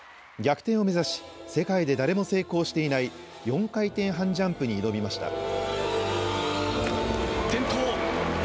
逆転を目指し世界で誰も成功していない４回転半ジャンプに挑みました。